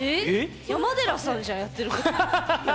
山寺さんじゃんやってること。